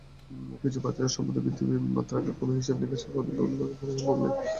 কিছু প্রার্থীর সম্পদের বৃদ্ধির মাত্রাকে কোনো হিসাব-নিকাশের মধ্যেই ফেলা সম্ভব নয়।